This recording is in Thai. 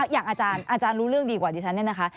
อย่างอาจารย์รู้เรื่องดีกว่าดิฉันเนี่ยนะคะ